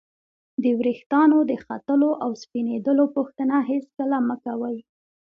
د ورېښتانو د ختلو او سپینېدلو پوښتنه هېڅکله مه کوئ!